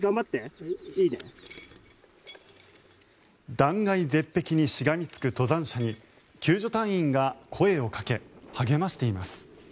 断崖絶壁にしがみつく登山者に救助隊員が声をかけ励ましています。